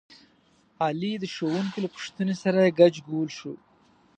علي د ښوونکي له پوښتنې سره ګچ ګول شو.